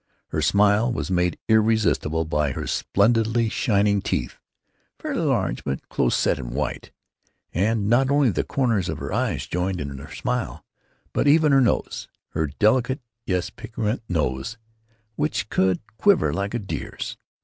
Her smile was made irresistible by her splendidly shining teeth, fairly large but close set and white; and not only the corners of her eyes joined in her smile, but even her nose, her delicate yet piquant nose, which could quiver like a deer's.